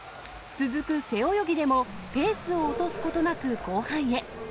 続く背泳ぎでも、ペースを落とすことなく後半へ。